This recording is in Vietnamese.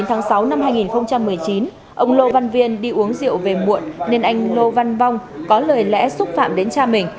tháng sáu năm hai nghìn một mươi chín ông lô văn viên đi uống rượu về muộn nên anh lô văn vong có lời lẽ xúc phạm đến cha mình